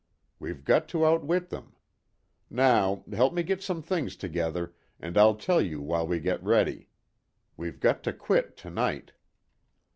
We've got to outwit them. Now, help me get some things together, and I'll tell you while we get ready. We've got to quit to night."